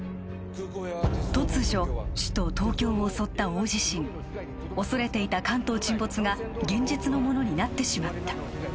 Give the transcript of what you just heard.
突如首都・東京を襲った大地震恐れていた関東沈没が現実のものになってしまった